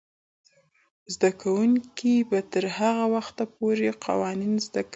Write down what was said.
زده کوونکې به تر هغه وخته پورې قوانین زده کوي.